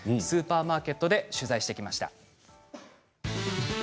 スーパーマーケットで取材してきました。